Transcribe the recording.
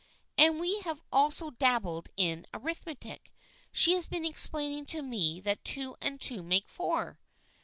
And we have also dabbled in arithmetic. She has been explaining to me that two and two make four."